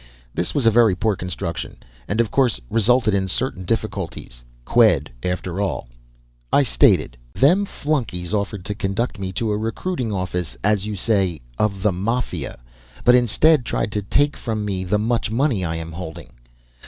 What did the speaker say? This was a very poor construction, and of course resulted in certain difficulties. Qued, after all. I stated: "Them flunkies offered to conduct me to a recruiting office, as you say, of the Mafia, but instead tried to take from me the much money I am holding."